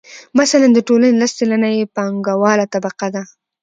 مثلاً د ټولنې لس سلنه یې پانګواله طبقه ده